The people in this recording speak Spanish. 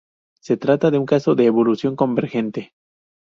Se trata de un caso de evolución convergente.